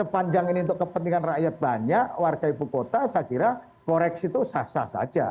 sepanjang ini untuk kepentingan rakyat banyak warga ibu kota saya kira koreksi itu sah sah saja